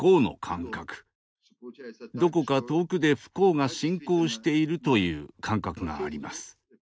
どこか遠くで不幸が進行しているという感覚があります。